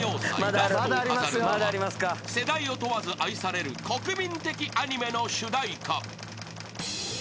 ラストを飾るのは世代を問わず愛される国民的アニメの主題歌］